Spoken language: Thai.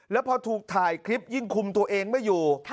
แล้วพอถูกถ่ายคลิปยิ่งคุมตัวเองไม่อยู่